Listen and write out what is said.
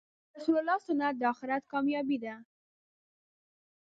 د رسول الله سنت د آخرت کامیابې ده .